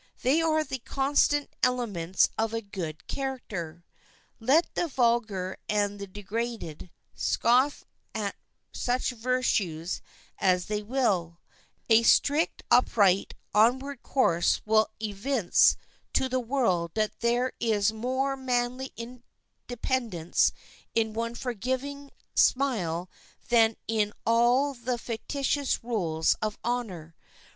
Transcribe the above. They are the constant elements of a good character. Let the vulgar and the degraded scoff at such virtues if they will, a strict, upright, onward course will evince to the world that there is more manly independence in one forgiving smile than in all their fictitious rules of honor.